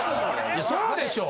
そうでしょう！